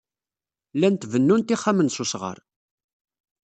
Llant bennunt ixxamen s wesɣar.